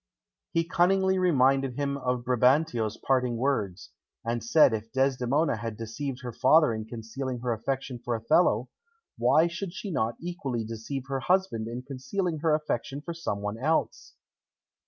He cunningly reminded him of Brabantio's parting words, and said if Desdemona had deceived her father in concealing her affection for Othello, why should she not equally deceive her husband in concealing her affection for someone else?